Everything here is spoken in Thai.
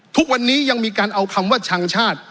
ทุกวันนี้ยังมีการเอาคำว่าชังชาติ